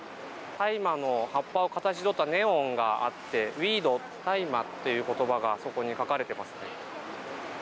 大麻の葉っぱを形どったネオンがあってＷＥＥＤ、大麻という言葉がそこに書かれています。